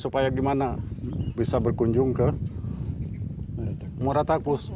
supaya gimana bisa berkunjung ke muratakus